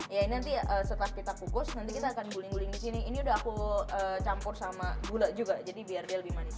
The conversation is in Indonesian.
ya ini nanti setelah kita kukus nanti kita akan guling guling di sini ini udah aku campur sama gula juga jadi biar dia lebih manis